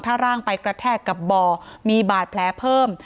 ถ้าร่างไปกระแทกกับบ่อมีบาดแผลเพิ่ม